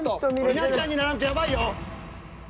稲ちゃんにならんとやばいよ！